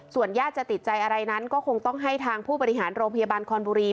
ญาติจะติดใจอะไรนั้นก็คงต้องให้ทางผู้บริหารโรงพยาบาลคอนบุรี